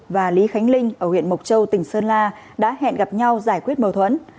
và lý khánh linh ở huyện mộc châu tỉnh sơn la đã hẹn gặp nhau giải quyết mâu thuẫn